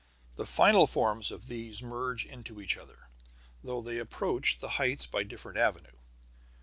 The final forms of these merge into each other, though they approach the heights by different avenues.